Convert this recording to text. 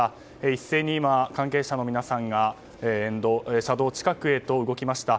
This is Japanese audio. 一斉に今、関係者の皆さんが車道近くへと動きました。